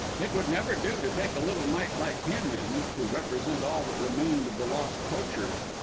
It would never do to take a little mite like him in to represent all that remained of the lost poacher.